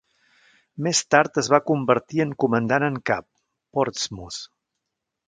Més tard es va convertir en comandant en cap, Portsmouth.